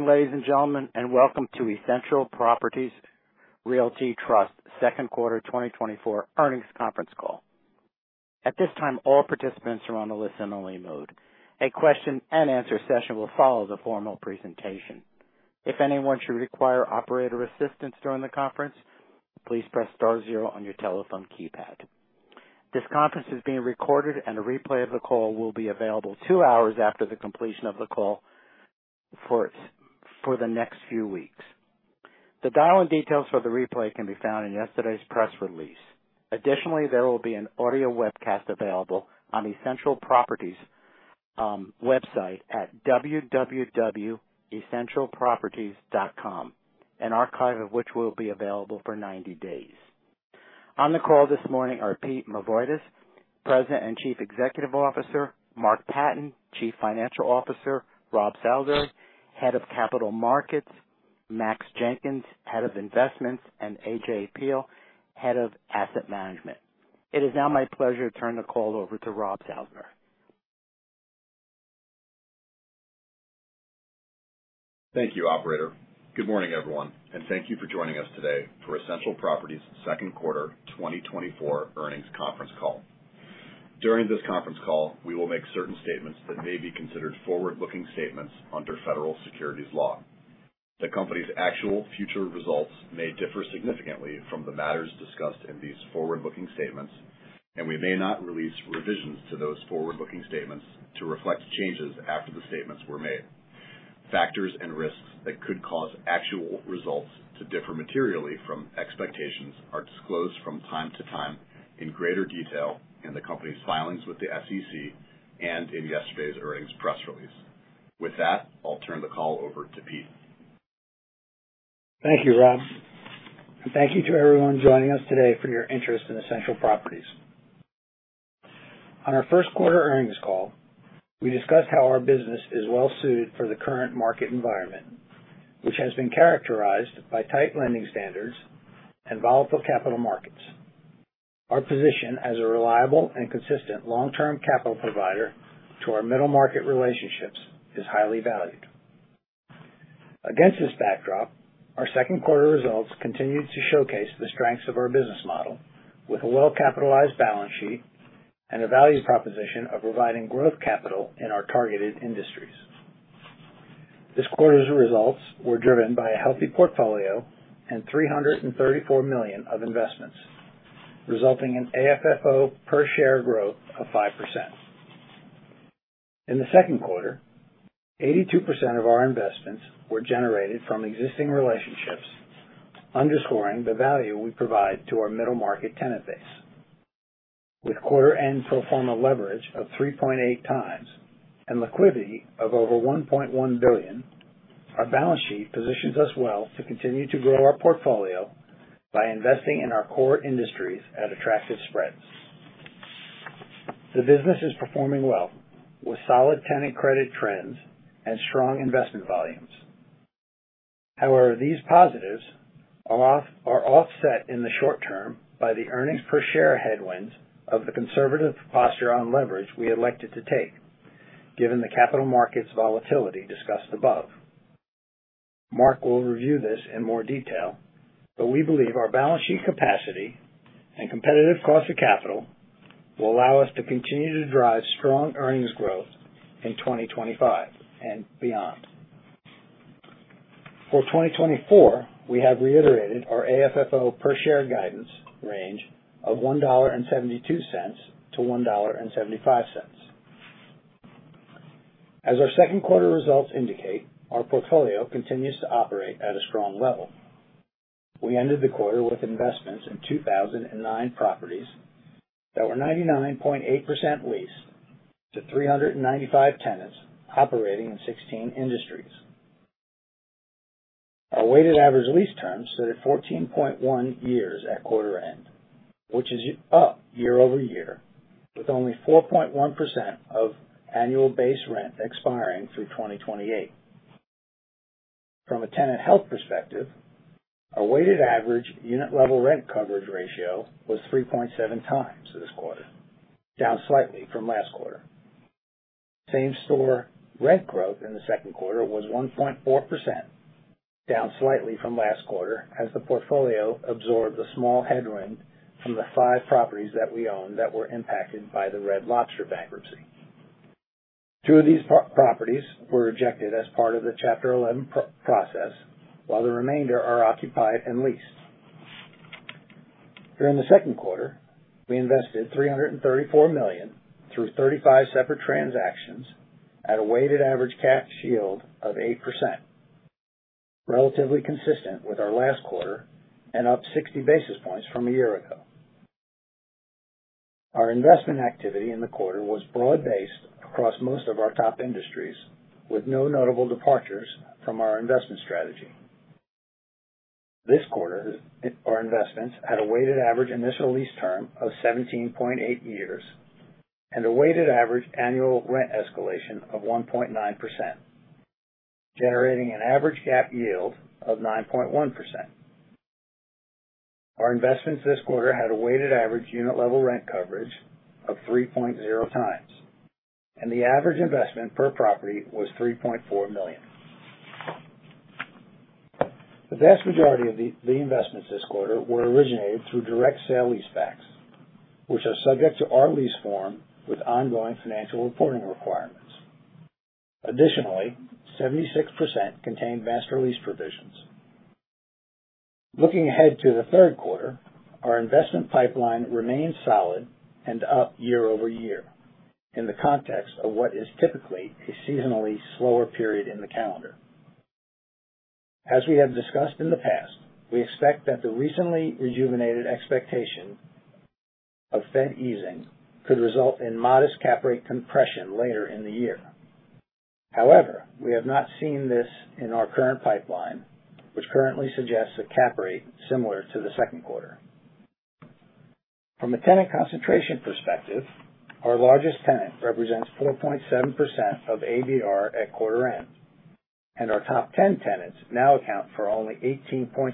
Ladies and gentlemen, welcome to Essential Properties Realty Trust second quarter 2024 earnings conference call. At this time, all participants are on a listen-only mode. A question-and-answer session will follow the formal presentation. If anyone should require operator assistance during the conference, please press star zero on your telephone keypad. This conference is being recorded, and a replay of the call will be available two hours after the completion of the call for the next few weeks. The dial-in details for the replay can be found in yesterday's press release. Additionally, there will be an audio webcast available on Essential Properties website at www.essentialproperties.com, an archive of which will be available for ninety days. On the call this morning are Pete Mavoides, President and Chief Executive Officer, Mark Patten, Chief Financial Officer, Robert Salisbury, Head of Capital Markets, Max Jenkins, Head of Investments, and AJ Peil, Head of Asset Management. It is now my pleasure to turn the call over to Robert Salisbury. Thank you, operator. Good morning, everyone, and thank you for joining us today for Essential Properties' second quarter 2024 earnings conference call. During this conference call, we will make certain statements that may be considered forward-looking statements under federal securities law. The company's actual future results may differ significantly from the matters discussed in these forward-looking statements, and we may not release revisions to those forward-looking statements to reflect changes after the statements were made. Factors and risks that could cause actual results to differ materially from expectations are disclosed from time to time in greater detail in the company's filings with the SEC and in yesterday's earnings press release. With that, I'll turn the call over to Pete. Thank you, Rob, and thank you to everyone joining us today for your interest in Essential Properties. On our first quarter earnings call, we discussed how our business is well suited for the current market environment, which has been characterized by tight lending standards and volatile capital markets. Our position as a reliable and consistent long-term capital provider to our middle-market relationships is highly valued. Against this backdrop, our second quarter results continued to showcase the strengths of our business model with a well-capitalized balance sheet and a value proposition of providing growth capital in our targeted industries. This quarter's results were driven by a healthy portfolio and $334 million of investments, resulting in AFFO per share growth of 5%. In the second quarter, 82% of our investments were generated from existing relationships, underscoring the value we provide to our middle-market tenant base. With quarter end pro forma leverage of 3.8 times and liquidity of over $1.1 billion, our balance sheet positions us well to continue to grow our portfolio by investing in our core industries at attractive spreads. The business is performing well, with solid tenant credit trends and strong investment volumes. However, these positives are offset in the short term by the earnings per share headwinds of the conservative posture on leverage we elected to take, given the capital markets volatility discussed above. Mark will review this in more detail, but we believe our balance sheet capacity and competitive cost of capital will allow us to continue to drive strong earnings growth in 2025 and beyond. For 2024, we have reiterated our AFFO per share guidance range of $1.72 to $1.75. As our second quarter results indicate, our portfolio continues to operate at a strong level. We ended the quarter with investments in 2,009 properties that were 99.8% leased to 395 tenants operating in 16 industries. Our weighted average lease terms stood at 14.1 years at quarter end, which is up year over year, with only 4.1% of annual base rent expiring through 2028. From a tenant health perspective, our weighted average unit-level rent coverage ratio was 3.7 times this quarter, down slightly from last quarter. Same-store rent growth in the second quarter was 1.4%, down slightly from last quarter as the portfolio absorbed a small headwind from the five properties that we own that were impacted by the Red Lobster bankruptcy. Two of these properties were rejected as part of the Chapter 11 process, while the remainder are occupied and leased. During the second quarter, we invested $334 million through 35 separate transactions at a weighted average cap rate of 8%, relatively consistent with our last quarter and up 60 basis points from a year ago. Our investment activity in the quarter was broad-based across most of our top industries, with no notable departures from our investment strategy. This quarter, our investments had a weighted average initial lease term of 17.8 years and a weighted average annual rent escalation of 1.9%, generating an average cap rate of 9.1%. Our investments this quarter had a weighted average unit level rent coverage of 3.0 times, and the average investment per property was $3.4 million. The vast majority of the investments this quarter were originated through direct sale-leasebacks, which are subject to our lease form with ongoing financial reporting requirements. Additionally, 76% contained master lease provisions. Looking ahead to the third quarter, our investment pipeline remains solid and up year-over-year, in the context of what is typically a seasonally slower period in the calendar. As we have discussed in the past, we expect that the recently rejuvenated expectation of Fed easing could result in modest cap rate compression later in the year. However, we have not seen this in our current pipeline, which currently suggests a cap rate similar to the second quarter. From a tenant concentration perspective, our largest tenant represents 4.7% of ABR at quarter end, and our top 10 tenants now account for only 18.6%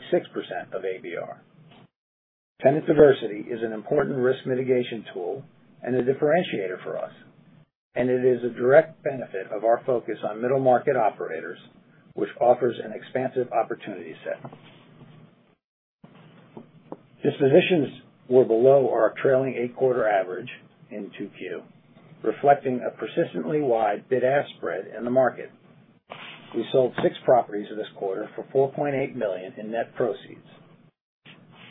of ABR. Tenant diversity is an important risk mitigation tool and a differentiator for us, and it is a direct benefit of our focus on middle market operators, which offers an expansive opportunity set. Dispositions were below our trailing eight-quarter average in 2Q, reflecting a persistently wide bid-ask spread in the market. We sold six properties this quarter for $4.8 million in net proceeds.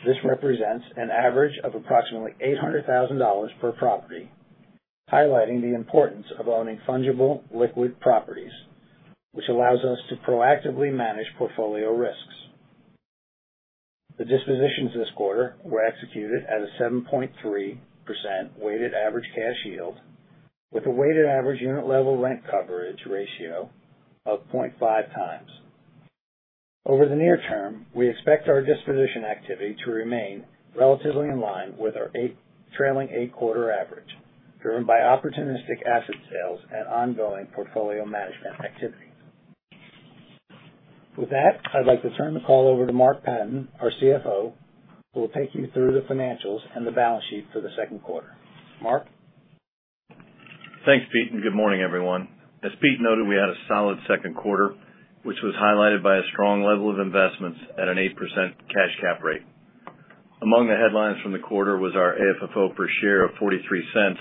This represents an average of approximately $800,000 per property, highlighting the importance of owning fungible, liquid properties, which allows us to proactively manage portfolio risks. The dispositions this quarter were executed at a 7.3% weighted average cash yield, with a weighted average unit-level rent coverage ratio of 0.5 times. Over the near term, we expect our disposition activity to remain relatively in line with our trailing eight-quarter average, driven by opportunistic asset sales and ongoing portfolio management activity. With that, I'd like to turn the call over to Mark Patten, our CFO, who will take you through the financials and the balance sheet for the second quarter. Mark? Thanks, Pete, and good morning, everyone. As Pete noted, we had a solid second quarter, which was highlighted by a strong level of investments at an 8% cash cap rate. Among the headlines from the quarter was our AFFO per share of $0.43,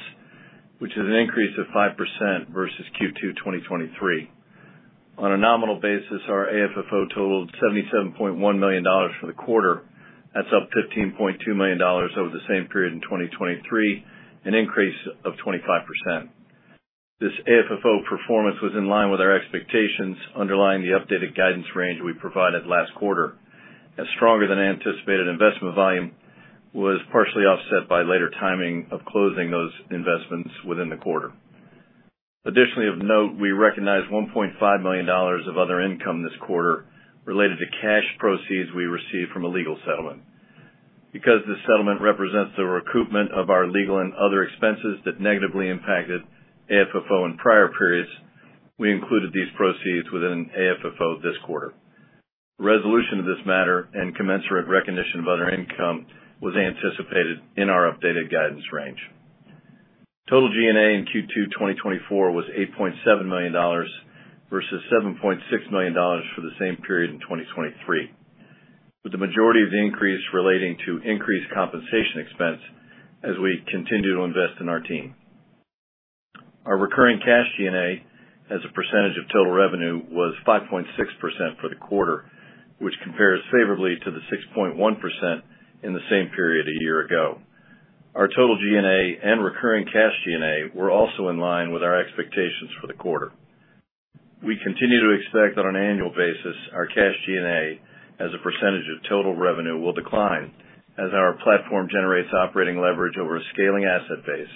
which is an increase of 5% versus Q2 2023. On a nominal basis, our AFFO totaled $77.1 million for the quarter. That's up $15.2 million over the same period in 2023, an increase of 25%. This AFFO performance was in line with our expectations, underlying the updated guidance range we provided last quarter, as stronger than anticipated investment volume was partially offset by later timing of closing those investments within the quarter. Additionally, of note, we recognized $1.5 million of other income this quarter related to cash proceeds we received from a legal settlement. Because this settlement represents the recoupment of our legal and other expenses that negatively impacted AFFO in prior periods, we included these proceeds within AFFO this quarter. Resolution of this matter and commensurate recognition of other income was anticipated in our updated guidance range. Total G&A in Q2 2024 was $8.7 million versus $7.6 million for the same period in 2023, with the majority of the increase relating to increased compensation expense as we continue to invest in our team. Our recurring cash G&A, as a percentage of total revenue, was 5.6% for the quarter, which compares favorably to the 6.1% in the same period a year ago. Our total G&A and recurring cash G&A were also in line with our expectations for the quarter. We continue to expect that on an annual basis, our cash G&A, as a percentage of total revenue, will decline as our platform generates operating leverage over a scaling asset base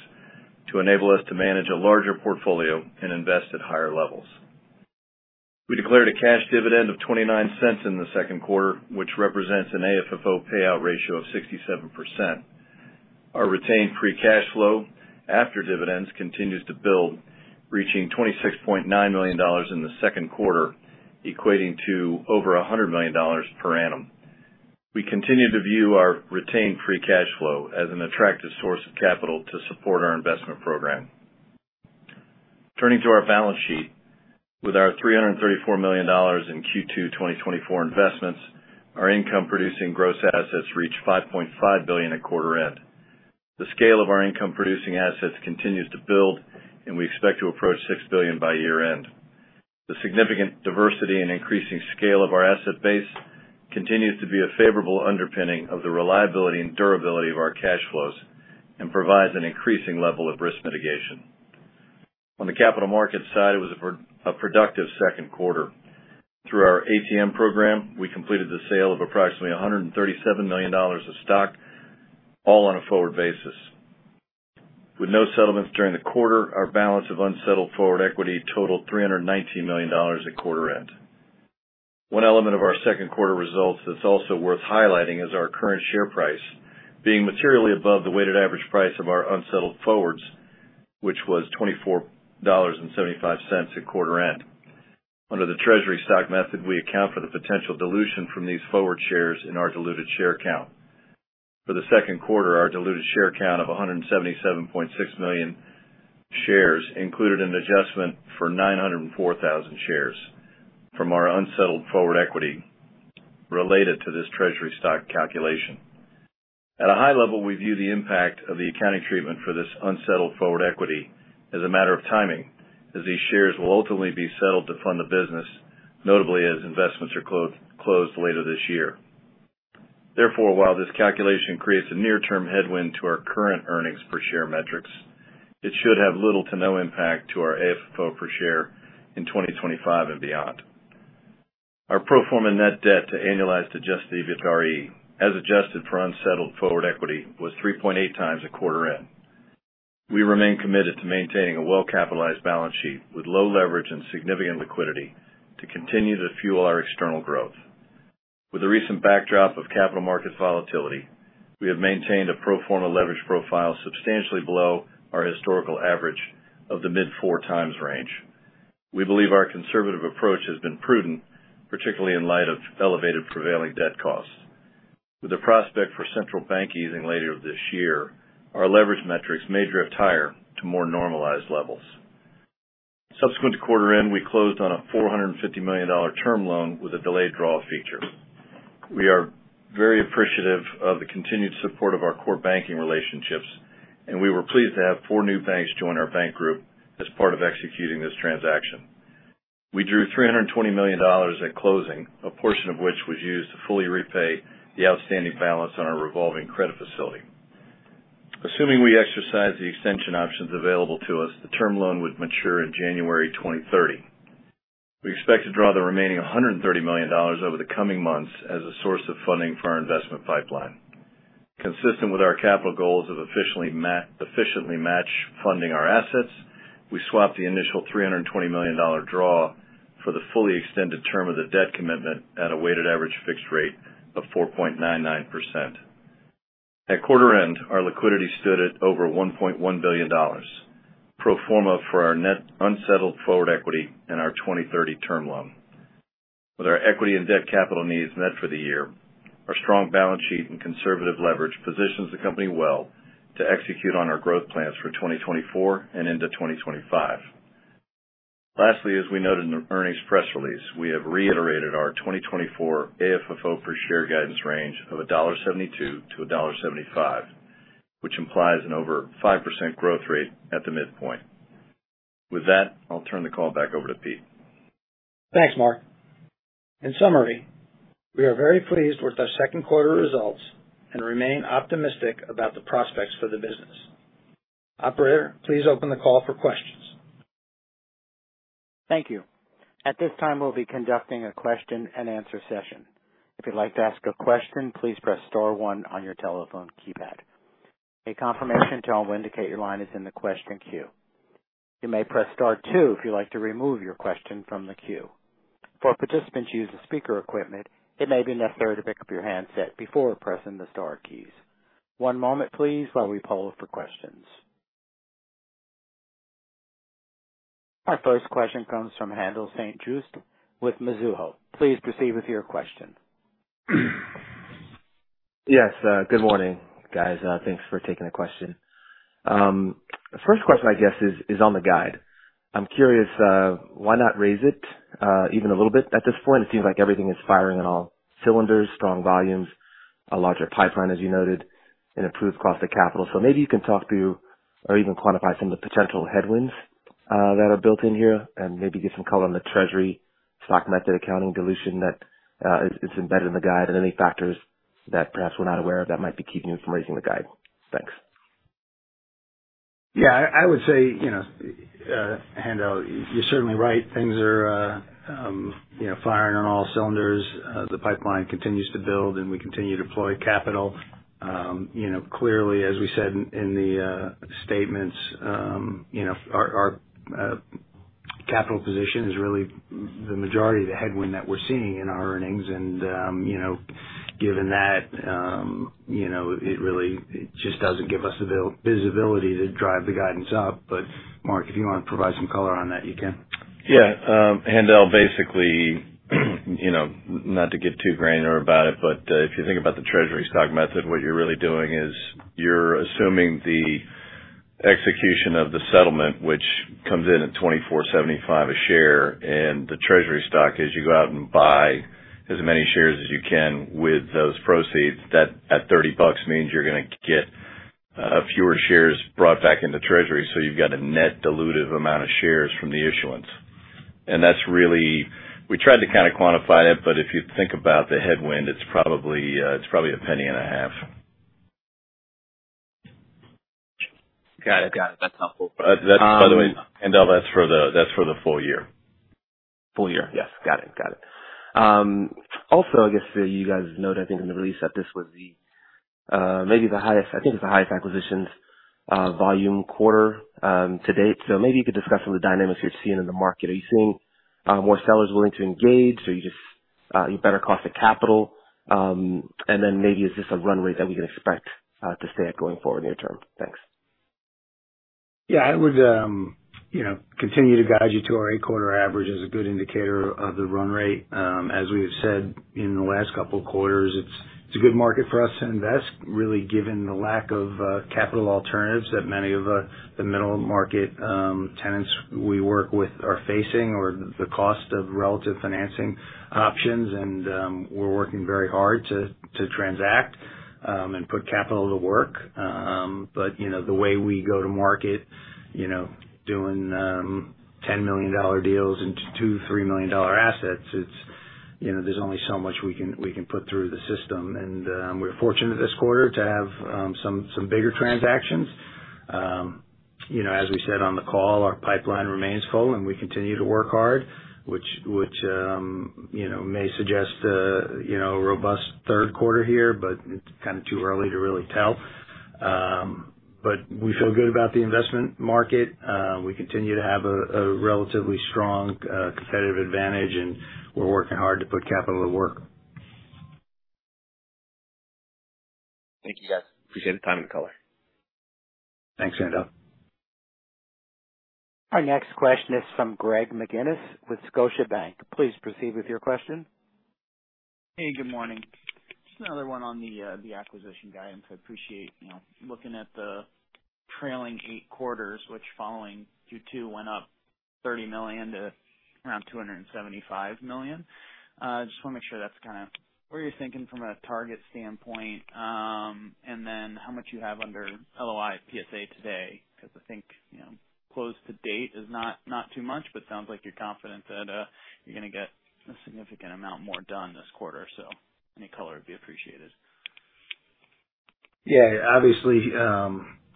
to enable us to manage a larger portfolio and invest at higher levels. We declared a cash dividend of $0.29 in the second quarter, which represents an AFFO payout ratio of 67%. Our retained free cash flow after dividends continues to build, reaching $26.9 million in the second quarter, equating to over $100 million per annum. We continue to view our retained free cash flow as an attractive source of capital to support our investment program. Turning to our balance sheet. With our $334 million in Q2 2024 investments, our income-producing gross assets reached $5.5 billion at quarter end. The scale of our income-producing assets continues to build, and we expect to approach $6 billion by year-end. The significant diversity and increasing scale of our asset base continues to be a favorable underpinning of the reliability and durability of our cash flows and provides an increasing level of risk mitigation. On the capital markets side, it was a productive second quarter. Through our ATM program, we completed the sale of approximately $137 million of stock, all on a forward basis. With no settlements during the quarter, our balance of unsettled forward equity totaled $319 million at quarter end. One element of our second quarter results that's also worth highlighting is our current share price, being materially above the weighted average price of our unsettled forwards, which was $24.75 at quarter end. Under the Treasury Stock Method, we account for the potential dilution from these forward shares in our diluted share count. For the second quarter, our diluted share count of 177.6 million shares included an adjustment for 904,000 shares from our unsettled forward equity related to this Treasury Stock calculation. At a high level, we view the impact of the accounting treatment for this unsettled forward equity as a matter of timing, as these shares will ultimately be settled to fund the business, notably as investments are closed later this year. Therefore, while this calculation creates a near-term headwind to our current earnings per share metrics, it should have little to no impact to our AFFO per share in 2025 and beyond. Our pro forma net debt to annualized adjusted EBITDAre, as adjusted for unsettled forward equity, was 3.8 times at quarter end. We remain committed to maintaining a well-capitalized balance sheet with low leverage and significant liquidity to continue to fuel our external growth. With the recent backdrop of capital market volatility, we have maintained a pro forma leverage profile substantially below our historical average of the mid-4 times range. We believe our conservative approach has been prudent, particularly in light of elevated prevailing debt costs. With the prospect for central bank easing later this year, our leverage metrics may drift higher to more normalized levels. Subsequent to quarter end, we closed on a $450 million term loan with a delayed draw feature. We are very appreciative of the continued support of our core banking relationships, and we were pleased to have four new banks join our bank group as part of executing this transaction. We drew $320 million at closing, a portion of which was used to fully repay the outstanding balance on our revolving credit facility. Assuming we exercise the extension options available to us, the term loan would mature in January 2030. We expect to draw the remaining $130 million over the coming months as a source of funding for our investment pipeline. Consistent with our capital goals to efficiently match funding our assets, we swapped the initial $320 million draw for the fully extended term of the debt commitment at a weighted average fixed rate of 4.99%. At quarter end, our liquidity stood at over $1.1 billion, pro forma for our net unsettled forward equity and our 2030 term loan. With our equity and debt capital needs met for the year, our strong balance sheet and conservative leverage positions the company well to execute on our growth plans for 2024 and into 2025. Lastly, as we noted in the earnings press release, we have reiterated our 2024 AFFO per share guidance range of $1.72 to $1.75, which implies an over 5% growth rate at the midpoint. With that, I'll turn the call back over to Pete. Thanks, Mark. In summary, we are very pleased with our second quarter results and remain optimistic about the prospects for the business. Operator, please open the call for questions. Thank you. At this time, we'll be conducting a question and answer session. If you'd like to ask a question, please press star one on your telephone keypad. A confirmation tone will indicate your line is in the question queue. You may press star two if you'd like to remove your question from the queue. For participants who use the speaker equipment, it may be necessary to pick up your handset before pressing the star keys. One moment please while we poll for questions. Our first question comes from Haendel St. Juste with Mizuho. Please proceed with your question. Yes, good morning, guys. Thanks for taking the question. The first question, I guess, is on the guide. I'm curious, why not raise it even a little bit at this point? It seems like everything is firing on all cylinders, strong volumes, a larger pipeline, as you noted, and improved cost of capital. So maybe you can talk to or even quantify some of the potential headwinds that are built in here, and maybe give some color on the Treasury Stock Method accounting dilution that is embedded in the guide, and any factors that perhaps we're not aware of that might be keeping you from raising the guide. Thanks. Yeah, I would say, you know, Haendel, you're certainly right. Things are, you know, firing on all cylinders. The pipeline continues to build, and we continue to deploy capital. You know, clearly, as we said in the statements, you know, our capital position is really the majority of the headwind that we're seeing in our earnings. And, you know, given that, you know, it really, it just doesn't give us the visibility to drive the guidance up. But Mark, if you want to provide some color on that, you can. Yeah, Haendel, basically, you know, not to get too granular about it, but if you think about the Treasury Stock Method, what you're really doing is you're assuming the execution of the settlement, which comes in at $24.75 a share. And the treasury stock is, you go out and buy as many shares as you can with those proceeds, that at $30, means you're gonna get fewer shares brought back into treasury, so you've got a net dilutive amount of shares from the issuance. And that's really... We tried to kind of quantify it, but if you think about the headwind, it's probably, it's probably $0.015. Got it. Got it. That's helpful. That's, by the way, Haendel, that's for the, that's for the full year. Full year? Yes. Got it. Got it. Also, I guess, you guys noted, I think, in the release that this was maybe the highest, I think, it's the highest acquisitions volume quarter to date. So maybe you could discuss some of the dynamics you're seeing in the market. Are you seeing more sellers willing to engage, or is it your better cost of capital? And then maybe, is this a runway that we can expect to stay at going forward near term? Thanks. ...Yeah, I would, you know, continue to guide you to our 8-quarter average as a good indicator of the run rate. As we have said in the last couple of quarters, it's a good market for us to invest, really, given the lack of capital alternatives that many of the middle market tenants we work with are facing or the cost of relative financing options. And, we're working very hard to transact and put capital to work. But, you know, the way we go to market, you know, doing $10 million deals into $2 million to $3 million assets, it's, you know, there's only so much we can put through the system. And, we're fortunate this quarter to have some bigger transactions. You know, as we said on the call, our pipeline remains full, and we continue to work hard, which you know may suggest a you know robust third quarter here, but it's kind of too early to really tell. But we feel good about the investment market. We continue to have a relatively strong competitive advantage, and we're working hard to put capital to work. Thank you, guys. Appreciate the time and the color. Thanks, Haendel. Our next question is from Greg McGinniss with Scotiabank. Please proceed with your question. Hey, good morning. Just another one on the acquisition guidance. I appreciate, you know, looking at the trailing eight quarters, which following Q2, went up $30 million to around $275 million. Just wanna make sure that's kind of where you're thinking from a target standpoint, and then how much you have under LOI PSA today, because I think, you know, close to date is not, not too much, but sounds like you're confident that, you're gonna get a significant amount more done this quarter. So any color would be appreciated. Yeah, obviously,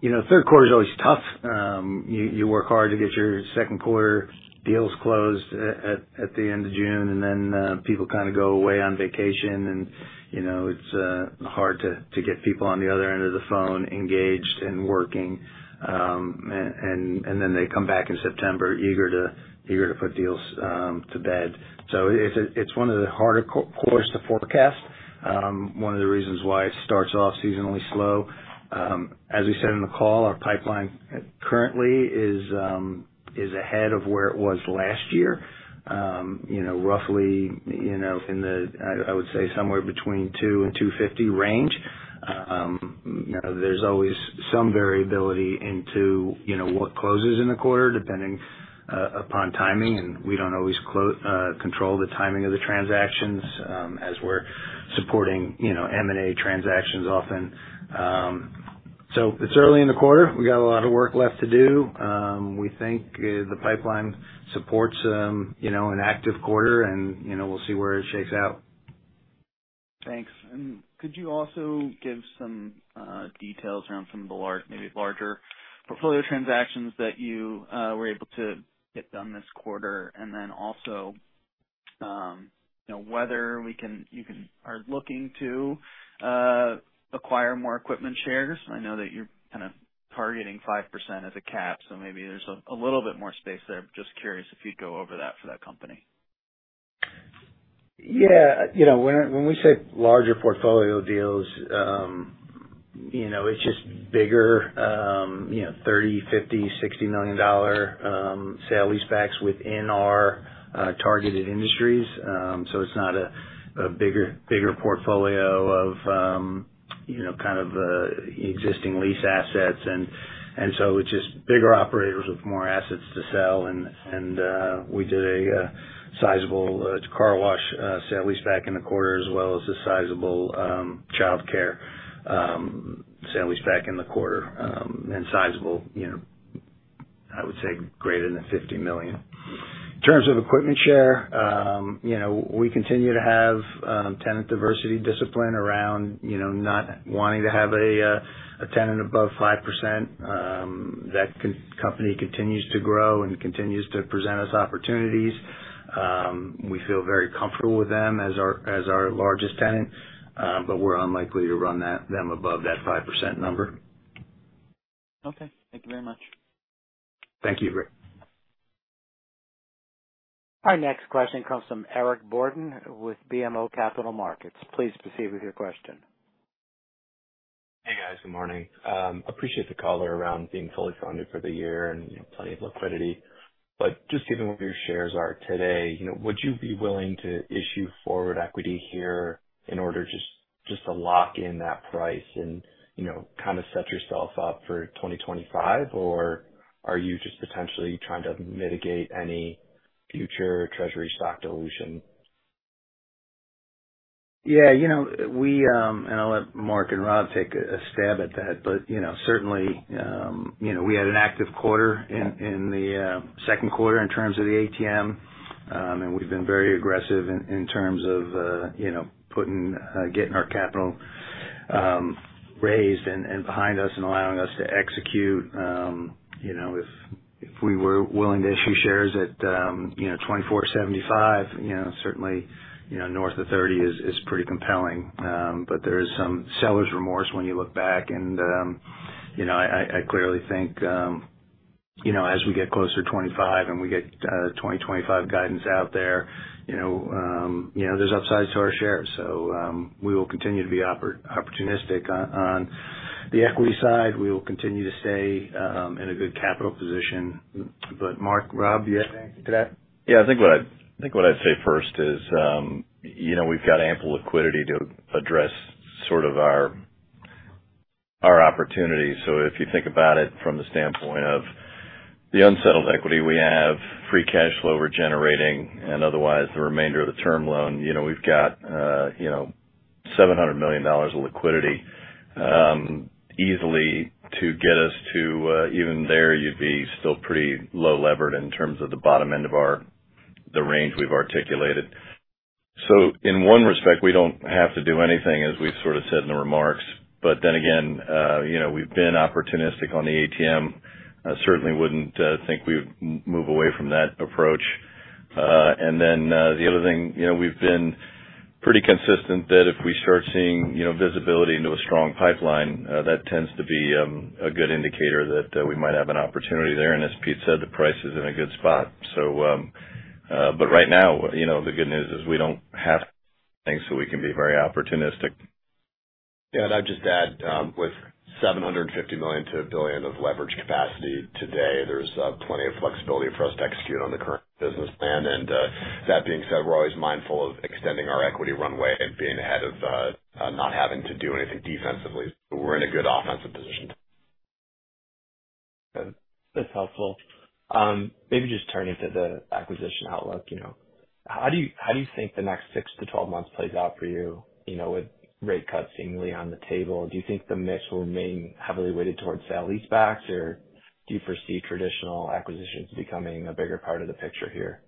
you know, third quarter is always tough. You work hard to get your second quarter deals closed at the end of June, and then people kind of go away on vacation, and, you know, it's hard to get people on the other end of the phone engaged and working. And then they come back in September, eager to put deals to bed. So it's one of the harder quarters to forecast. One of the reasons why it starts off seasonally slow. As we said in the call, our pipeline currently is ahead of where it was last year, you know, roughly, you know, in the, I would say somewhere between $2 and $250 range. You know, there's always some variability into, you know, what closes in a quarter, depending upon timing, and we don't always control the timing of the transactions, as we're supporting, you know, M&A transactions often. So it's early in the quarter. We got a lot of work left to do. We think the pipeline supports, you know, an active quarter, and, you know, we'll see where it shakes out. Thanks. And could you also give some details around some of the large, maybe larger portfolio transactions that you were able to get done this quarter? And then also, you know, are looking to acquire more equipment shares. I know that you're kind of targeting 5% as a cap, so maybe there's a little bit more space there. Just curious if you'd go over that for that company. Yeah. You know, when we say larger portfolio deals, you know, it's just bigger, you know, $30 million, $50 million, $60 million sale leasebacks within our targeted industries. So it's not a bigger portfolio of, you know, kind of existing lease assets. And so it's just bigger operators with more assets to sell, and we did a sizable car wash sale-leaseback in the quarter, as well as a sizable childcare sale-leaseback in the quarter, and sizable, you know, I would say greater than $50 million. In terms of EquipmentShare, you know, we continue to have tenant diversity discipline around, you know, not wanting to have a tenant above 5%. That company continues to grow and continues to present us opportunities. We feel very comfortable with them as our largest tenant, but we're unlikely to run them above that 5% number. Okay, thank you very much. Thank you, Greg. Our next question comes from Eric Borden with BMO Capital Markets. Please proceed with your question. Hey, guys. Good morning. Appreciate the color around being fully funded for the year and, you know, plenty of liquidity. But just given where your shares are today, you know, would you be willing to issue forward equity here in order just to lock in that price and, you know, kind of set yourself up for 2025? Or are you just potentially trying to mitigate any future treasury stock dilution? Yeah, you know, we, and I'll let Mark and Rob take a stab at that. But, you know, certainly, you know, we had an active quarter in, in the, second quarter in terms of the ATM. And we've been very aggressive in, in terms of, you know, putting, getting our capital, raised and, and behind us and allowing us to execute. You know, if, if we were willing to issue shares at, you know, $24.75, you know, certainly, you know, north of $30 is, is pretty compelling. But there is some seller's remorse when you look back and, you know, I, I, I clearly think, you know, as we get closer to $25 and we get, 2025 guidance out there, you know, you know, there's upsides to our shares. So, we will continue to be opportunistic on the equity side. We will continue to stay in a good capital position. But Mark, Rob, you add to that? Yeah, I think what I, I think what I'd say first is, you know, we've got ample liquidity to address sort of our, our opportunities. So if you think about it from the standpoint of the unsettled equity, we have free cash flow we're generating, and otherwise, the remainder of the term loan, you know, we've got, you know, $700 million of liquidity, easily to get us to, even there, you'd be still pretty low levered in terms of the bottom end of our- the range we've articulated. So in one respect, we don't have to do anything, as we've sort of said in the remarks. But then again, you know, we've been opportunistic on the ATM. I certainly wouldn't think we would move away from that approach. And then, the other thing, you know, we've been pretty consistent that if we start seeing, you know, visibility into a strong pipeline, that tends to be a good indicator that we might have an opportunity there. And as Pete said, the price is in a good spot. So, but right now, you know, the good news is we don't have things, so we can be very opportunistic. Yeah, and I'd just add, with $750 million to $1 billion of leverage capacity today, there's plenty of flexibility for us to execute on the current business plan. That being said, we're always mindful of extending our equity runway and being ahead of not having to do anything defensively. We're in a good offensive position. That's helpful. Maybe just turning to the acquisition outlook, you know. How do you think the next 6-12 months plays out for you, you know, with rate cuts seemingly on the table? Do you think the mix will remain heavily weighted towards sale leasebacks, or do you foresee traditional acquisitions becoming a bigger part of the picture here?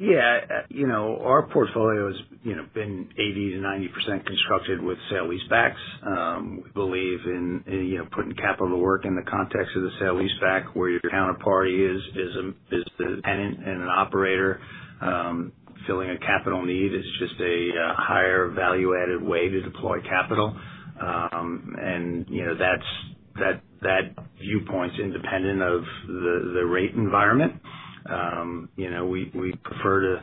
Yeah, you know, our portfolio has, you know, been 80% to 90% constructed with sale leasebacks. We believe in you know, putting capital to work in the context of the sale leaseback, where your counterparty is the tenant and an operator, filling a capital need. It's just a higher value-added way to deploy capital. And, you know, that's that viewpoint's independent of the rate environment. You know, we prefer to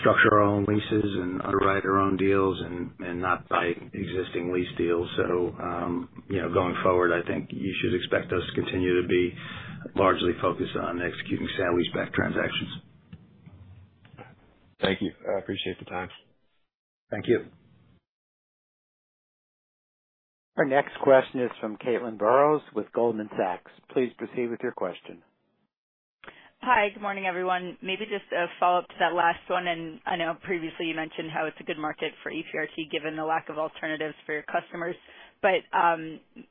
structure our own leases and underwrite our own deals and not buy existing lease deals. So, you know, going forward, I think you should expect us to continue to be largely focused on executing sale leaseback transactions. Thank you. I appreciate the time. Thank you. Our next question is from Caitlin Burrows with Goldman Sachs. Please proceed with your question. Hi, good morning, everyone. Maybe just a follow-up to that last one, and I know previously you mentioned how it's a good market for EPRT, given the lack of alternatives for your customers. But,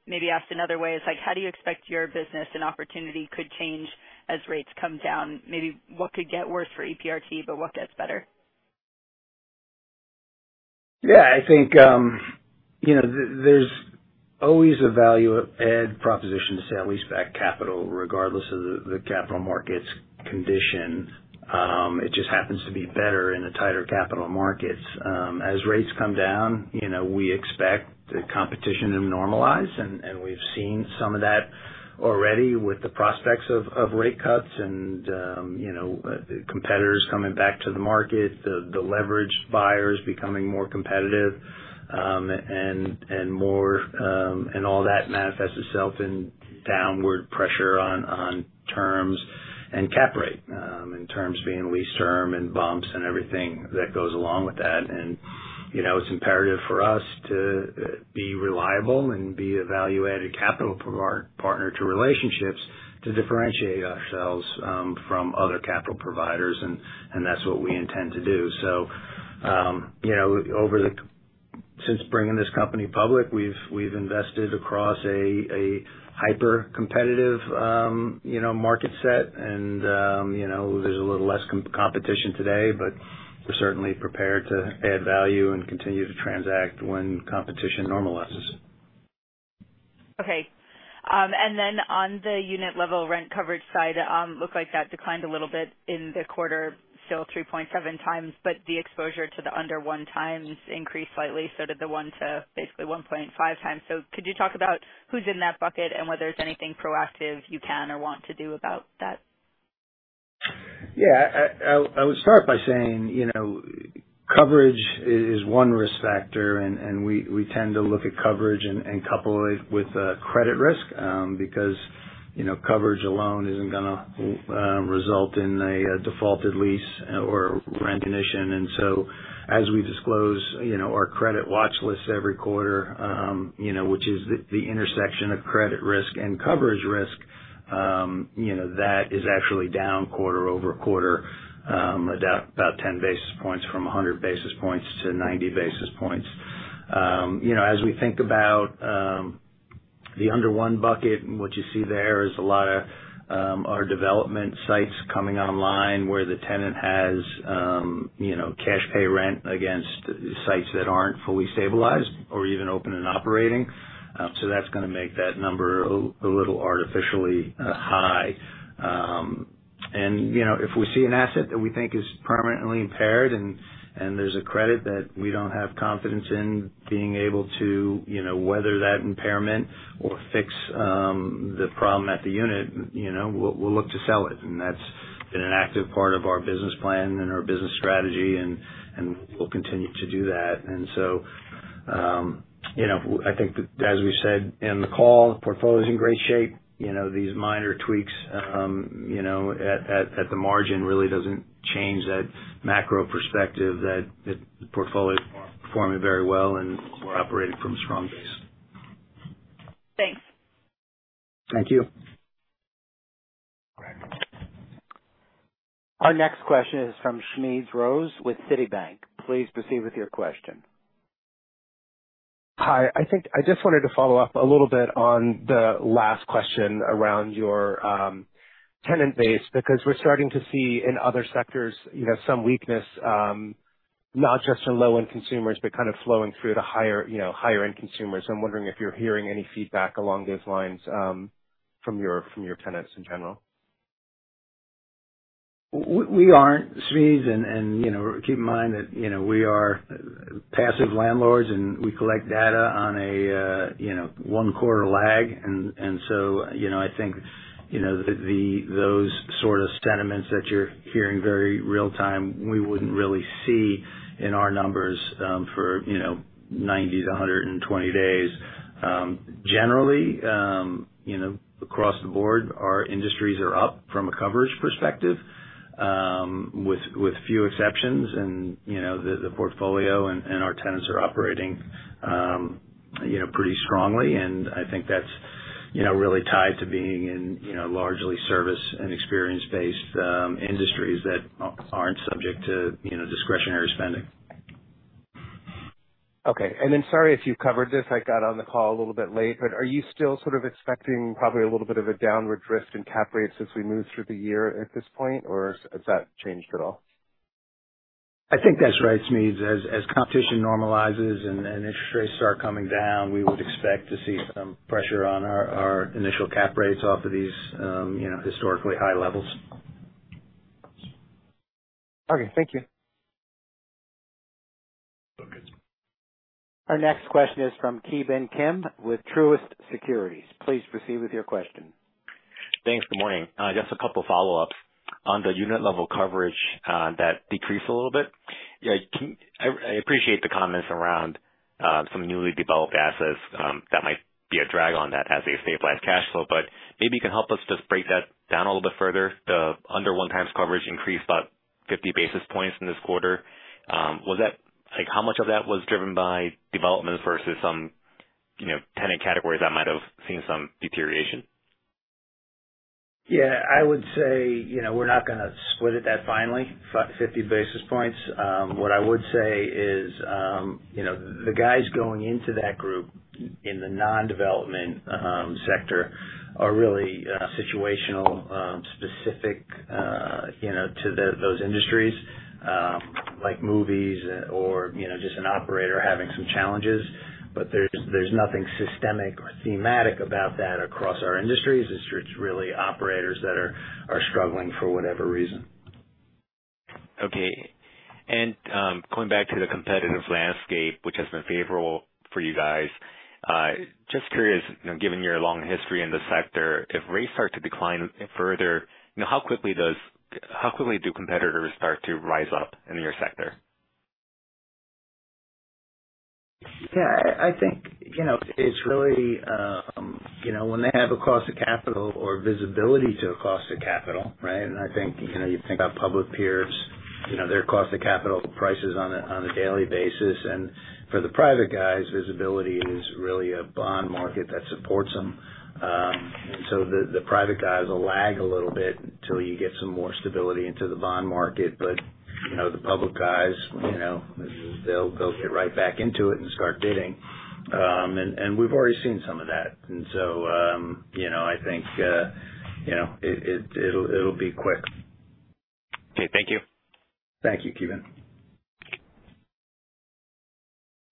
maybe asked another way, is like, how do you expect your business and opportunity could change as rates come down? Maybe what could get worse for EPRT, but what gets better? Yeah, I think, you know, there's always a value add proposition to sale leaseback capital, regardless of the, the capital markets condition. It just happens to be better in the tighter capital markets. As rates come down, you know, we expect the competition to normalize, and, and we've seen some of that already with the prospects of, of rate cuts and, you know, competitors coming back to the market, the, the leverage buyers becoming more competitive, and, and more, and all that manifests itself in downward pressure on, on terms and cap rate, in terms being lease term and bumps and everything that goes along with that. You know, it's imperative for us to be reliable and be a value-added capital partner to relationships, to differentiate ourselves from other capital providers, and that's what we intend to do. You know, since bringing this company public, we've invested across a hypercompetitive market set and, you know, there's a little less competition today, but we're certainly prepared to add value and continue to transact when competition normalizes. Okay. And then on the unit-level rent coverage side, looked like that declined a little bit in the quarter, still 3.7 times, but the exposure to the under 1 times increased slightly, so did the 1 to basically 1.5 times. So could you talk about who's in that bucket and whether there's anything proactive you can or want to do about that? Yeah. I would start by saying, you know, coverage is one risk factor, and we tend to look at coverage and couple it with credit risk, because, you know, coverage alone isn't gonna result in a defaulted lease or rent initiative. And so, as we disclose, you know, our credit watch list every quarter, you know, which is the intersection of credit risk and coverage risk, you know, that is actually down quarter-over-quarter, about 10 basis points from 100 basis points to 90 basis points. You know, as we think about the under one bucket, what you see there is a lot of our development sites coming online, where the tenant has, you know, cash pay rent against sites that aren't fully stabilized or even open and operating. So that's gonna make that number a little artificially high. And, you know, if we see an asset that we think is permanently impaired, and there's a credit that we don't have confidence in being able to, you know, weather that impairment or fix the problem at the unit, you know, we'll look to sell it. And that's been an active part of our business plan and our business strategy, and we'll continue to do that. And so, you know, I think that, as we said in the call, the portfolio is in great shape. You know, these minor tweaks, you know, at the margin really doesn't change that macro perspective, that the portfolio is performing very well, and we're operating from a strong base. Thanks. Thank you. Our next question is from Smedes Rose with Citi. Please proceed with your question. Hi. I think I just wanted to follow up a little bit on the last question around your tenant base, because we're starting to see in other sectors, you know, some weakness, not just in low-end consumers, but kind of flowing through to higher, you know, higher-end consumers. I'm wondering if you're hearing any feedback along those lines, from your tenants in general? We aren't seeing, and you know, keep in mind that you know, we are passive landlords, and we collect data on a you know, one-quarter lag. And so, you know, I think you know, those sort of sentiments that you're hearing very real time, we wouldn't really see in our numbers for you know, 90 to 120 days. Generally, you know, across the board, our industries are up from a coverage perspective with few exceptions. And you know, the portfolio and our tenants are operating you know, pretty strongly, and I think that's you know, really tied to being in you know, largely service and experience-based industries that aren't subject to you know, discretionary spending. Okay. And then, sorry if you covered this, I got on the call a little bit late, but are you still sort of expecting probably a little bit of a downward drift in cap rates as we move through the year at this point, or has that changed at all? I think that's right, Smedes. As competition normalizes and interest rates start coming down, we would expect to see some pressure on our initial cap rates off of these, you know, historically high levels. Okay, thank you. Our next question is from Ki Bin Kim with Truist Securities. Please proceed with your question. Thanks. Good morning. Just a couple follow-ups. On the unit-level coverage, that decreased a little bit. Yeah, I appreciate the comments around some newly developed assets that might be a drag on that as they stabilize cash flow, but maybe you can help us just break that down a little bit further. The under 1 times coverage increased about 50 basis points in this quarter. Was that, like, how much of that was driven by development versus some, you know, tenant categories that might have seen some deterioration? Yeah, I would say, you know, we're not gonna split it that finely, fifty basis points. What I would say is, you know, the guys going into that group in the non-development sector are really situational specific, you know, to those industries, like movies or, you know, just an operator having some challenges. But there's nothing systemic or thematic about that across our industries. It's just really operators that are struggling for whatever reason. Okay. And, going back to the competitive landscape, which has been favorable for you guys, just curious, you know, given your long history in the sector, if rates start to decline further, you know, how quickly do competitors start to rise up in your sector? Yeah, I, I think, you know, it's really, you know, when they have a cost of capital or visibility to a cost of capital, right? And I think, you know, you think about public peers, you know, their cost of capital prices on a, on a daily basis, and for the private guys, visibility is really a bond market that supports them. So the, the private guys will lag a little bit until you get some more stability into the bond market. But, you know, the public guys, you know, they'll, they'll get right back into it and start bidding. And, and we've already seen some of that. And so, you know, I think, you know, it, it, it'll, it'll be quick. Okay. Thank you. Thank you, Ki Bin.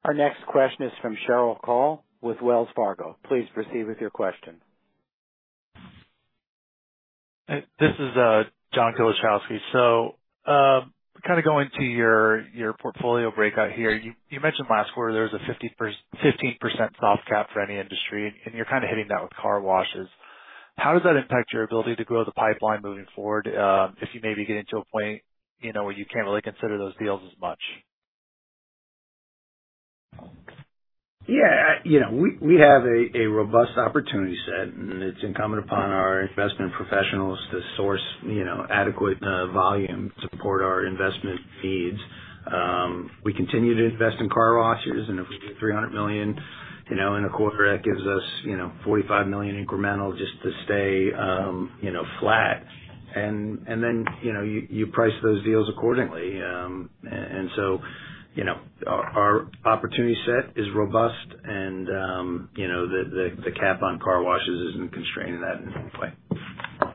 Our next question is from Cheryl Call with Wells Fargo. Please proceed with your question. This is John Kilichowski. So, kind of going to your, your portfolio breakout here, you, you mentioned last quarter there was a 15% soft cap for any industry, and you're kind of hitting that with car washes. How does that impact your ability to grow the pipeline moving forward, if you may be getting to a point, you know, where you can't really consider those deals as much? Yeah, you know, we have a robust opportunity set, and it's incumbent upon our investment professionals to source, you know, adequate volume to support our investment needs. We continue to invest in car washes, and if we do $300 million, you know, in a quarter, that gives us, you know, $45 million incremental just to stay, you know, flat. And then, you know, you price those deals accordingly. And so, you know, our opportunity set is robust, and, you know, the cap on car washes isn't constraining that in any way.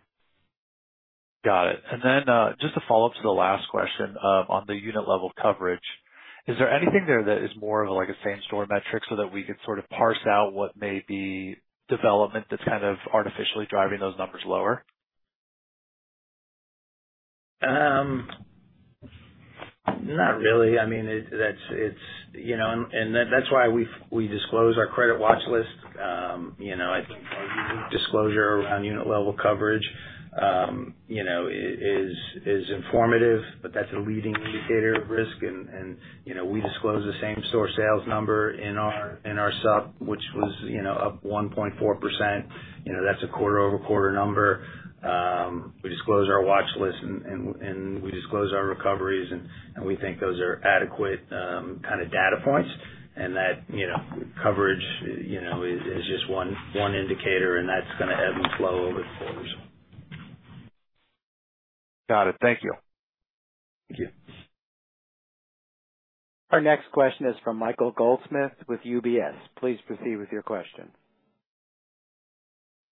Got it. Just to follow up to the last question, on the unit-level coverage... Is there anything there that is more of like a same store metric so that we can sort of parse out what may be development that's kind of artificially driving those numbers lower? Not really. I mean, that's, you know, and that's why we disclose our credit watch list. You know, I think our unit disclosure around unit level coverage is informative, but that's a leading indicator of risk. And you know, we disclose the same store sales number in our sub, which was, you know, up 1.4%. You know, that's a quarter-over-quarter number. We disclose our watch list and we disclose our recoveries, and we think those are adequate kind of data points. And that, you know, coverage, you know, is just one indicator, and that's going to ebb and flow over the quarters. Got it. Thank you. Thank you. Our next question is from Michael Goldsmith with UBS. Please proceed with your question.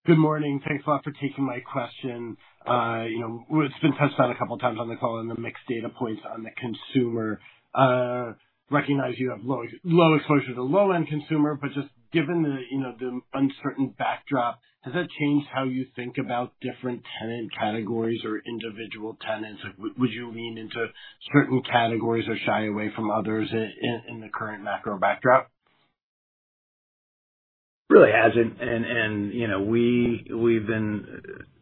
Good morning. Thanks a lot for taking my question. You know, well, it's been touched on a couple of times on the call and the mixed data points on the consumer. Recognize you have low, low exposure to the low-end consumer, but just given the, you know, the uncertain backdrop, does that change how you think about different tenant categories or individual tenants? Would, would you lean into certain categories or shy away from others in, in the current macro backdrop? Really hasn't. And, you know, we've been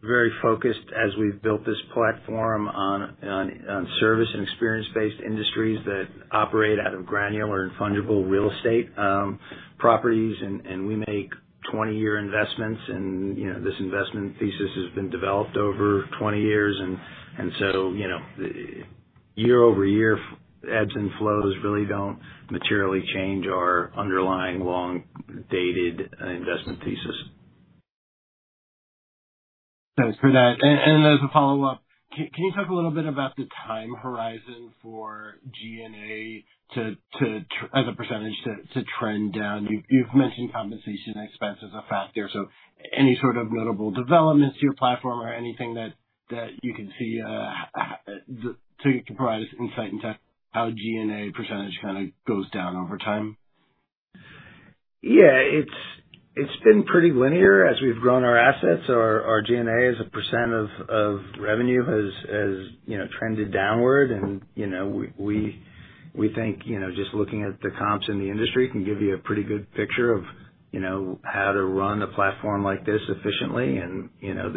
very focused as we've built this platform on service and experience-based industries that operate out of granular and fungible real estate properties. And we make 20-year investments and, you know, this investment thesis has been developed over 20 years. And so, you know, year-over-year, ebbs and flows really don't materially change our underlying long-dated investment thesis. Thanks for that. And as a follow-up, can you talk a little bit about the time horizon for GNA to, as a percentage, trend down? You've mentioned compensation expense as a factor, so any sort of notable developments to your platform or anything that you can see to provide us insight into how GNA percentage kind of goes down over time? Yeah, it's been pretty linear as we've grown our assets. Our G&A as a percent of revenue has, you know, trended downward. And, you know, we think, you know, just looking at the comps in the industry can give you a pretty good picture of, you know, how to run a platform like this efficiently. And, you know,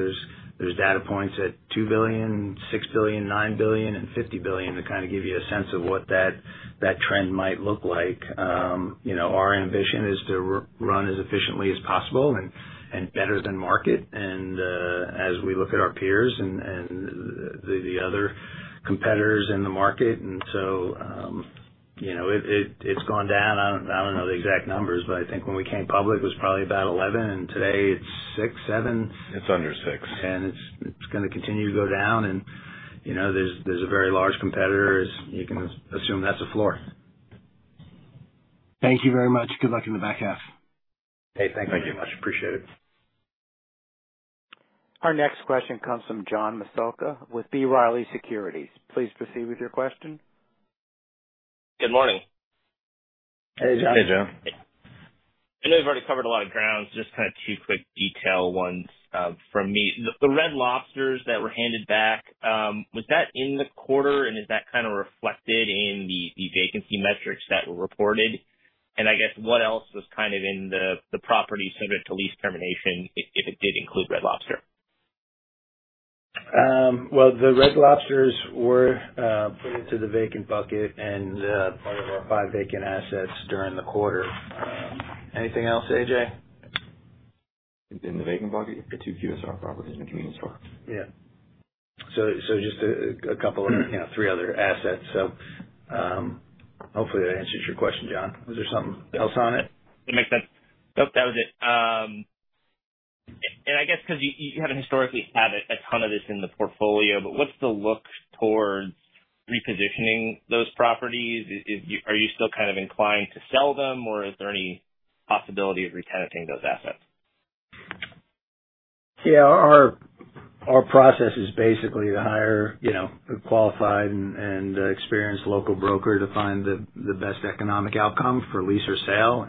there's data points at $2 billion, $6 billion, $9 billion, and $50 billion to kind of give you a sense of what that trend might look like. You know, our ambition is to run as efficiently as possible and better than market, and as we look at our peers and the other competitors in the market. So, you know, it's gone down. I don't know the exact numbers, but I think when we came public, it was probably about 11, and today it's 6-7? It's under six. It's, it's going to continue to go down. You know, there's, there's a very large competitor, as you can assume that's a floor. Thank you very much. Good luck in the back half. Hey, thank you much. Thank you. Appreciate it. Our next question comes from John Massocca with B. Riley Securities. Please proceed with your question. Good morning. Hey, John. Hey, John. I know you've already covered a lot of ground, just kind of two quick detail ones, from me. The Red Lobsters that were handed back, was that in the quarter, and is that kind of reflected in the vacancy metrics that were reported? And I guess what else was kind of in the property subject to lease termination, if it did include Red Lobster? Well, the Red Lobsters were put into the vacant bucket and part of our 5 vacant assets during the quarter. Anything else, AJ? In the vacant bucket, the 2 QSR properties between us for- Yeah. So, just a couple of, you know, three other assets. So, hopefully, that answers your question, John. Was there something else on it? It makes sense. Nope, that was it. And I guess because you haven't historically had a ton of this in the portfolio, but what's the look towards repositioning those properties? Are you still kind of inclined to sell them, or is there any possibility of retenanting those assets? Yeah, our process is basically to hire, you know, a qualified and experienced local broker to find the best economic outcome for lease or sale.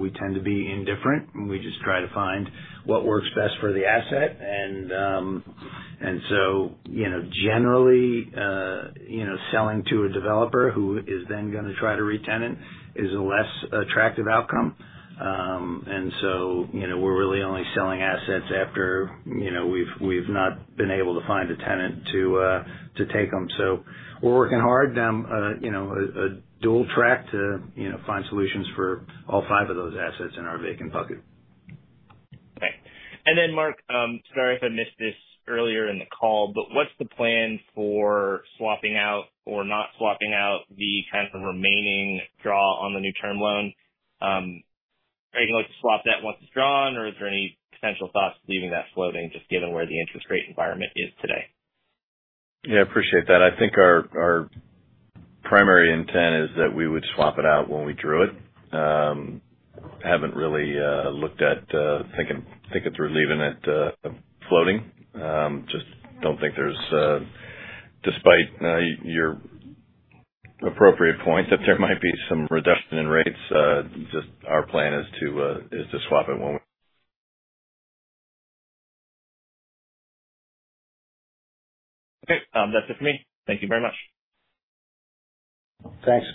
We tend to be indifferent, and we just try to find what works best for the asset. And so, you know, generally, you know, selling to a developer who is then going to try to retenant is a less attractive outcome. And so, you know, we're really only selling assets after, you know, we've not been able to find a tenant to take them. We're working hard, you know, a dual track to, you know, find solutions for all 5 of those assets in our vacant bucket. Okay. And then, Mark, sorry if I missed this earlier in the call, but what's the plan for swapping out or not swapping out the kind of remaining draw on the new term loan? Are you going to look to swap that once it's drawn, or is there any potential thoughts leaving that floating, just given where the interest rate environment is today? Yeah, I appreciate that. I think our primary intent is that we would swap it out when we drew it. Haven't really looked at taking it through, leaving it floating. Just don't think there's, despite your appropriate point, that there might be some reduction in rates, just our plan is to swap it when we- Okay. That's it for me. Thank you very much. Thanks.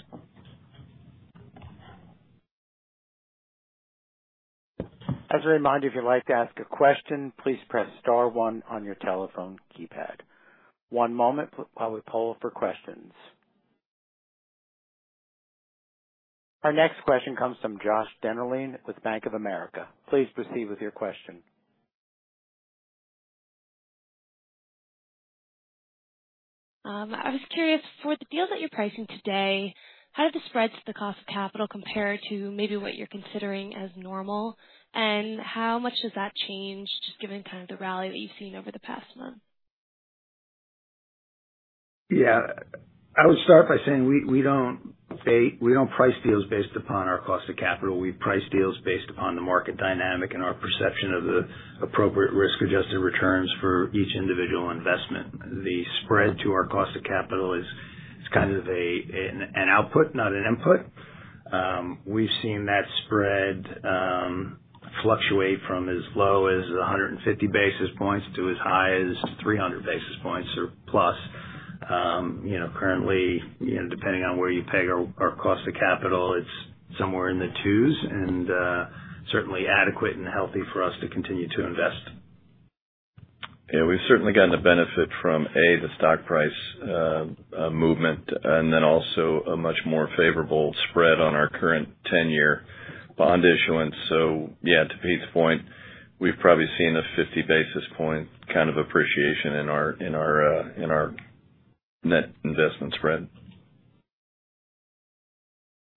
As a reminder, if you'd like to ask a question, please press star one on your telephone keypad. One moment while we poll for questions. Our next question comes from Josh Dennerlein with Bank of America. Please proceed with your question. I was curious, for the deals that you're pricing today, how do the spreads to the cost of capital compare to maybe what you're considering as normal? And how much has that changed, given kind of the rally that you've seen over the past month? Yeah. I would start by saying, we don't price deals based upon our cost of capital. We price deals based upon the market dynamic and our perception of the appropriate risk-adjusted returns for each individual investment. The spread to our cost of capital is kind of an output, not an input. We've seen that spread fluctuate from as low as 150 basis points to as high as 300 basis points or plus. You know, currently, you know, depending on where you peg our cost of capital, it's somewhere in the 200s and certainly adequate and healthy for us to continue to invest. Yeah, we've certainly gotten the benefit from, A, the stock price movement, and then also a much more favorable spread on our current ten-year bond issuance. So yeah, to Pete's point, we've probably seen a 50 basis point kind of appreciation in our net investment spread.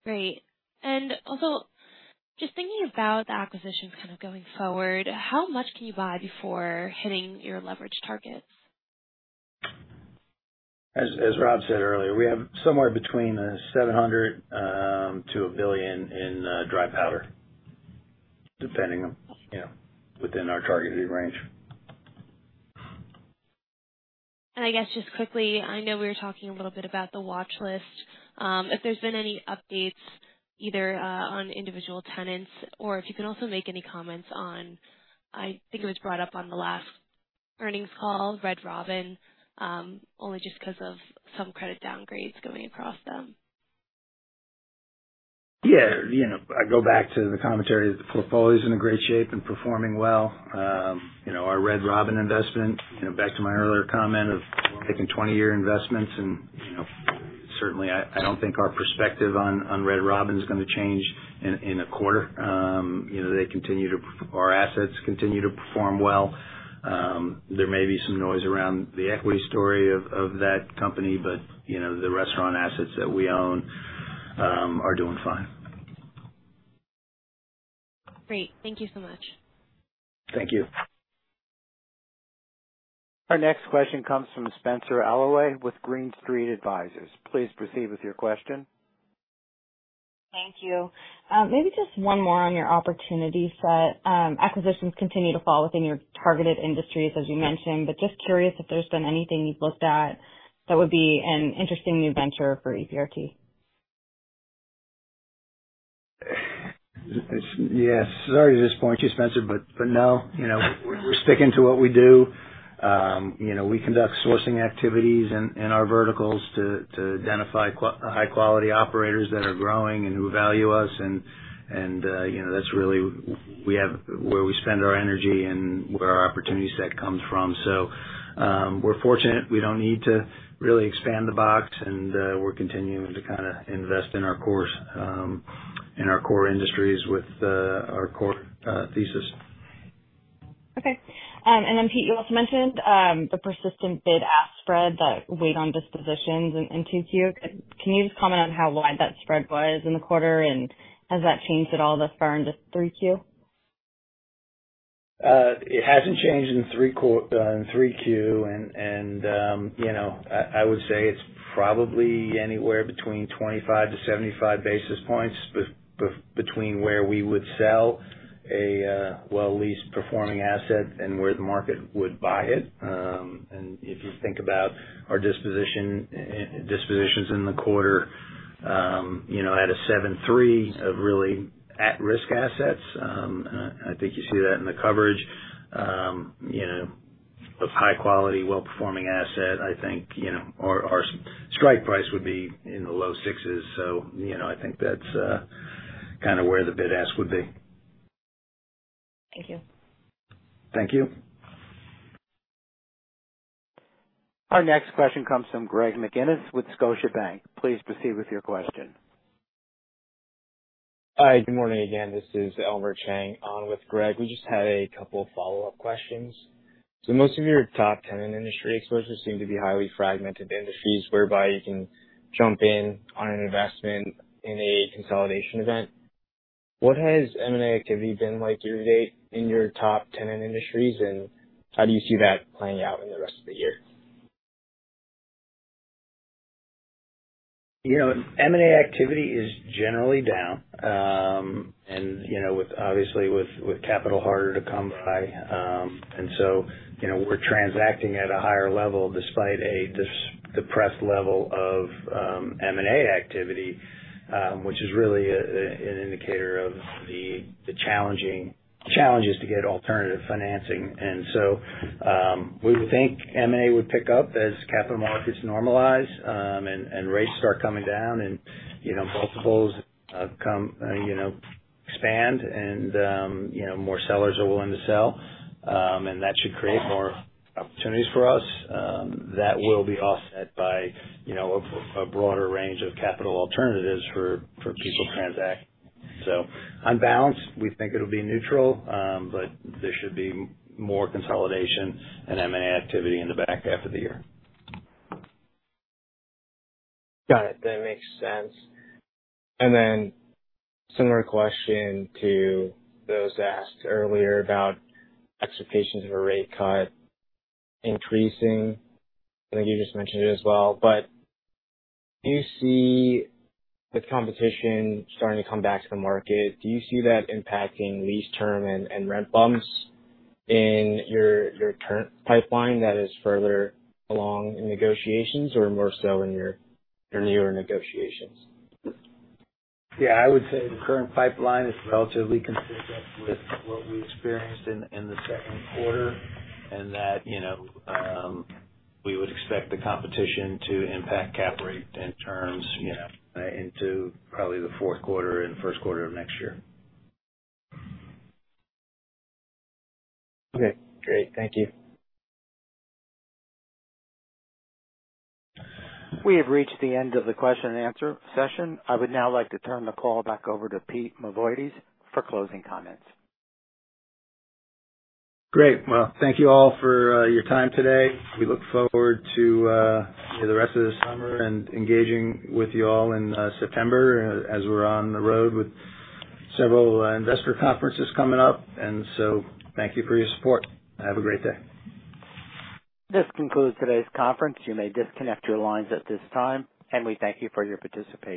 Great. And also, just thinking about the acquisition kind of going forward, how much can you buy before hitting your leverage targets? As Rob said earlier, we have somewhere between $700 million-$1 billion in dry powder, depending on, you know, within our targeted range. I guess, just quickly, I know we were talking a little bit about the watch list. If there's been any updates either on individual tenants or if you can also make any comments on, I think it was brought up on the last earnings call, Red Robin, only just because of some credit downgrades going across them? Yeah, you know, I go back to the commentary. The portfolio's in great shape and performing well. You know, our Red Robin investment, you know, back to my earlier comment of making 20-year investments and, you know, certainly I don't think our perspective on Red Robin is gonna change in a quarter. You know, our assets continue to perform well. There may be some noise around the equity story of that company, but, you know, the restaurant assets that we own are doing fine. Great. Thank you so much. Thank you. Our next question comes from Spenser Allaway with Green Street Advisors. Please proceed with your question. Thank you. Maybe just one more on your opportunity set. Acquisitions continue to fall within your targeted industries, as you mentioned, but just curious if there's been anything you've looked at that would be an interesting new venture for EPRT? Yes. Sorry to disappoint you, Spenser, but no, you know, we're sticking to what we do. You know, we conduct sourcing activities in our verticals to identify high-quality operators that are growing and who value us, and you know, that's really where we spend our energy and where our opportunity set comes from. So, we're fortunate. We don't need to really expand the box, and we're continuing to kind of invest in our core, in our core industries with our core thesis. Okay. And then, Pete, you also mentioned the persistent bid-ask spread that weighed on dispositions in Q2. Can you just comment on how wide that spread was in the quarter? And has that changed at all thus far into three Q? It hasn't changed in three Q. And, you know, I would say it's probably anywhere between 25-75 basis points between where we would sell a well-leased performing asset and where the market would buy it. And if you think about our disposition, dispositions in the quarter, you know, at a 7.3 of really at-risk assets, I think you see that in the coverage, you know, of high quality, well-performing asset. I think, you know, our strike price would be in the low 6s. So, you know, I think that's kind of where the bid-ask would be. Thank you. Thank you. Our next question comes from Greg McGinnis with Scotiabank. Please proceed with your question. Hi, good morning again. This is Elmer Chang with Greg. We just had a couple of follow-up questions. So most of your top tenant industry exposures seem to be highly fragmented industries, whereby you can jump in on an investment in a consolidation event. What has M&A activity been like year to date in your top tenant industries, and how do you see that playing out in the rest of the year? ... You know, M&A activity is generally down, and, you know, with, obviously, capital harder to come by. And so, you know, we're transacting at a higher level despite a depressed level of M&A activity, which is really an indicator of the challenges to get alternative financing. And so, we would think M&A would pick up as capital markets normalize, and rates start coming down and, you know, multiples come, you know, expand and, you know, more sellers are willing to sell. And that should create more opportunities for us that will be offset by, you know, a broader range of capital alternatives for people transacting. So on balance, we think it'll be neutral, but there should be more consolidation and M&A activity in the back half of the year. Got it. That makes sense. And then similar question to those asked earlier about expectations of a rate cut increasing. I think you just mentioned it as well, but do you see the competition starting to come back to the market? Do you see that impacting lease term and, and rent bumps in your, your current pipeline that is further along in negotiations or more so in your, your newer negotiations? Yeah, I would say the current pipeline is relatively consistent with what we experienced in the second quarter, and that, you know, we would expect the competition to impact cap rate and terms, you know, into probably the fourth quarter and first quarter of next year. Okay, great. Thank you. We have reached the end of the question and answer session. I would now like to turn the call back over to Pete Mavoides for closing comments. Great. Well, thank you all for your time today. We look forward to the rest of the summer and engaging with you all in September, as we're on the road with several investor conferences coming up, and so thank you for your support. Have a great day. This concludes today's conference. You may disconnect your lines at this time, and we thank you for your participation.